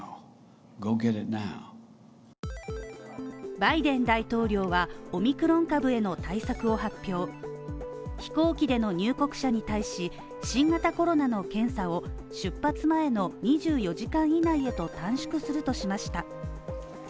バイデン大統領はオミクロン株への対策を発表、飛行機での入国者に対し、新型コロナの検査を出発前の２４時間以内へと短縮するとしました。